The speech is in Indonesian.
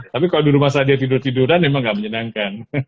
tapi kalau di rumah saja tidur tiduran memang nggak menyenangkan